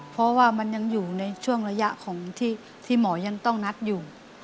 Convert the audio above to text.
เพราะว่ามันยังอยู่ในช่วงระยะของที่หมอยังต้องนัดอยู่